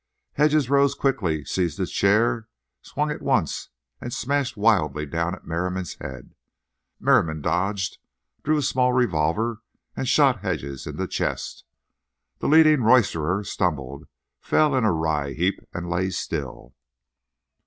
Hedges rose quickly, seized his chair, swung it once and smashed wildly down at Merriam's head. Merriam dodged, drew a small revolver and shot Hedges in the chest. The leading roysterer stumbled, fell in a wry heap, and lay still.